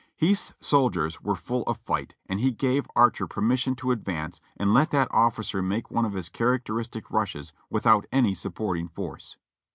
Heth's soldiers were full of fight, and he gave Archer permis sion to advance and let that officer make one of his character istic rushes without any supporting force.